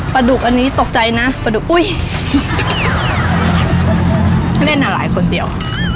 ดุกอันนี้ตกใจนะปลาดุกอุ้ยเล่นอ่ะหลายคนเดียว